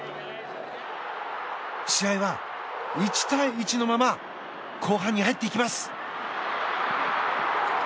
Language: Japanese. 試合は１対１のまま後半に入っていきます。